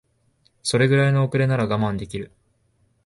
それぐらいの遅れなら我慢できる